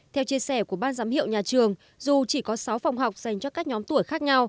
theo chia sẻ của ban giám hiệu nhà trường dù chỉ có sáu phòng học dành cho các nhóm tuổi khác nhau